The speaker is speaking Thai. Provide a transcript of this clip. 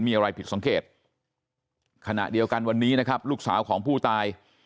มีอะไรผิดสังเกตขณะเดียวกันวันนี้นะครับลูกสาวของผู้ตาย